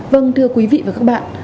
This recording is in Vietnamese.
vâng thưa quý vị và các bạn